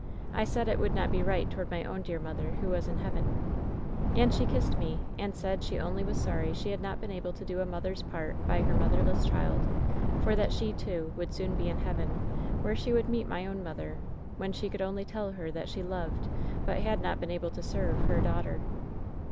I said it would not be right toward my own dear mother, who was in heaven. And she kissed me, and said she only was sorry she had not been able to do a mother's part by her motherless child, for that die, too, would soon be in heaven, where she would meet my own 160 WHEN SHADOWS DIE mother, when she could only tell her that she loved, but had not been able to serve, her daughter.